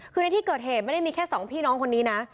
คือในที่เกิดเหตุไม่ได้มีแค่สองพี่น้องคนนี้นะ